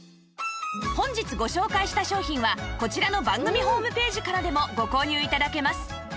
本日ご紹介した商品はこちらの番組ホームページからでもご購入頂けます